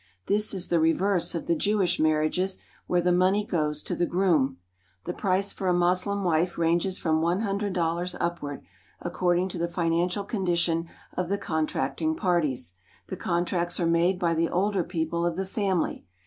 This is the reverse of the Jewish marriages, where the money goes to the groom. The price for a Moslem wife ranges from one hundred dollars upward, according to the financial condition of the contracting parties. The contracts are made by the older people of the family.